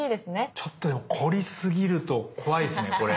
ちょっとでも凝りすぎると怖いですねこれ。